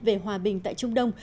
về hòa bình tại trung đông